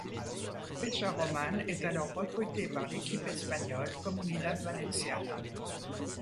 Pecharroman est alors recruté par l'équipe espagnole Comunidad Valenciana.